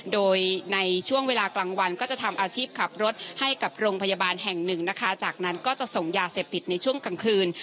โดยในช่วงเวลากลางวันก็จะทำอาชีพขับรถให้กับโรงพยาบาลแห่งหนึ่งนะคะจากนั้นก็จะส่งยาเสพติดในช่วงกลางคืน